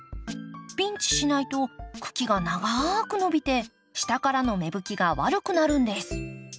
ピンチしないと茎が長く伸びて下からの芽吹きが悪くなるんです。